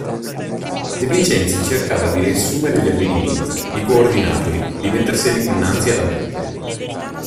De Vincenzi cercava di riassumere gli avvenimenti, di coordinarli, di metterseli dinanzi alla mente.